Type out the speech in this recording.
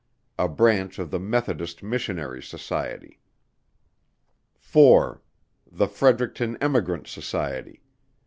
A Branch of the Methodist Missionary Society. 4. The Fredericton Emigrant Society.